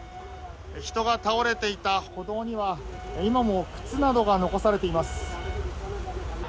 人が倒れていた歩道には今も靴などが残されています。